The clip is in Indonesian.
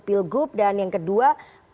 pilgub dan yang kedua